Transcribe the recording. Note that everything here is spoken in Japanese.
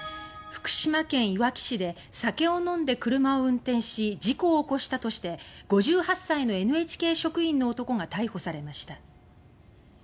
福島県いわき市で酒を飲んで車を運転し事故を起こしたとして５８歳のＮＨＫ職員の男が逮捕されました。